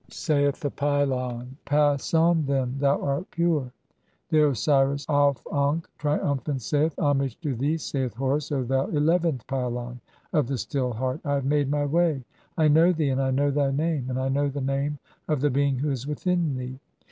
[Saith the pylon :—] "Pass on, then, thou art pure." XI. (41) The Osiris, Auf ankh, triumphant, saith :— "Homage to thee, saith Horus, O thou eleventh pylon of the "Still Heart. I have made [my] way. I know thee, and I know "thy name, and (42) I know the name of the being who is "within thee.